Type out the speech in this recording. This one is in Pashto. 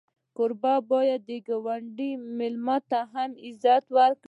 کوربه باید د ګاونډي میلمه هم عزت کړي.